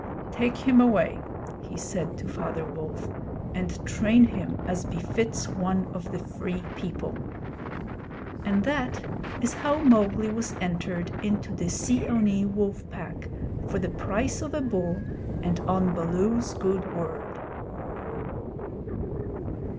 'Take him away,' he said to Father Wolf, 'and train him as befits one of the Free People.' And that is how Mowgli was entered into the Seeonee wolf pack for the price of a bull and on Baloo's good word.